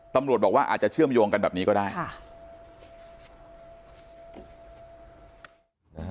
ตำรวจบอกว่าอาจจะเชื่อมโยงกันแบบนี้ก็ได้ค่ะ